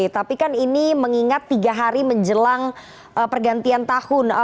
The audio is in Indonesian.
tapi kan ini mengingat tiga hari menjelang pergantian tahun